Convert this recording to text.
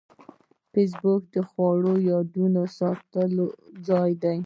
فېسبوک د خوږو یادونو د ساتلو ځای دی